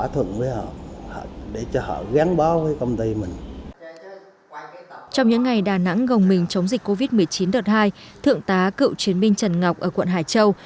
trong những ngày đà nẵng gồng mình chống dịch covid một mươi chín đợt hai thượng tá cựu chiến binh trần ngọc ở quận hải châu